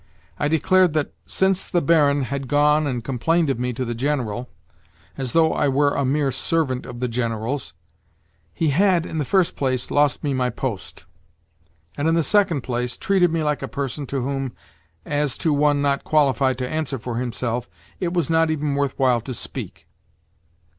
I declared that, since the Baron had gone and complained of me to the General, as though I were a mere servant of the General's, he had, in the first place, lost me my post, and, in the second place, treated me like a person to whom, as to one not qualified to answer for himself, it was not even worth while to speak.